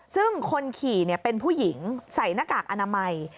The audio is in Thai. ซึ่งคนขี่เป็นผู้หญิงใส่หน้ากากอนามัย